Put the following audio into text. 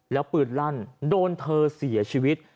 แล้วปืนลั่นโดนเธอเสียชีวิต